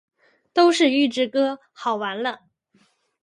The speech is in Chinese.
都是预制歌，好完了！